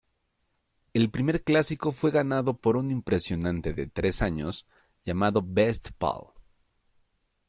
El primer Clásico fue ganado por un impresionante de tres años llamado Best Pal.